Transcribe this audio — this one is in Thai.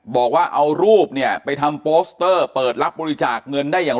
บอกว่าเอารูปเนี่ยไปทำโปสเตอร์เปิดรับบริจาคเงินได้อย่าง